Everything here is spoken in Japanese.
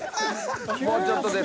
もうちょっとです。